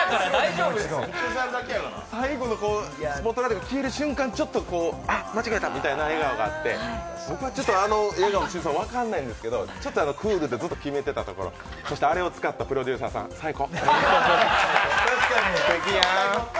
最後のスポットライトが消える瞬間、ちょっとあっ、間違えたみたいな笑顔があって、笑顔の真相は分からないんですけどちょっとクールですっと変わったところそしてあれを使ったプロデューサーさん最高！